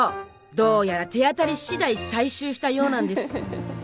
どうやら手当たりしだい採集したようなんです。